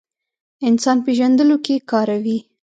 انسان پېژندلو کې کاروي.